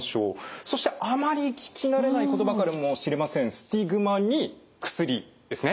そしてあまり聞き慣れない言葉かもしれませんスティグマに薬ですね。